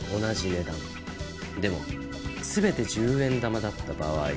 でも全て１０円玉だった場合。